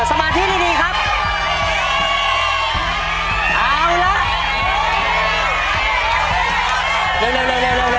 ลงมือเร็วลงมือเร็ว